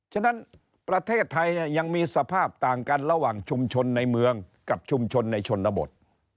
ฉะนั้นประเทศไทยยังมีสภาพต่างกันระหว่างชุมชนในเมืองกับชุมชนในชนบท